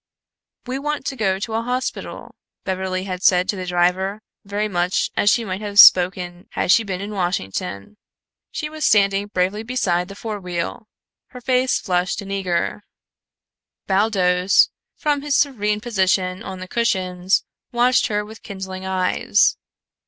"We want to go to a hospital," Beverly had said to the driver, very much as she might have spoken had she been in Washington. She was standing bravely beside the forewheel, her face flushed and eager. Baldos, from his serene position on the cushions, watched her with kindling eyes.